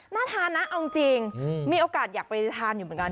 น่าทานนะเอาจริงมีโอกาสอยากไปทานอยู่เหมือนกัน